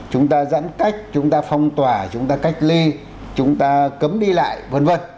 chúng ta giãn cách chúng ta phong tỏa chúng ta cách ly chúng ta cấm đi lại v v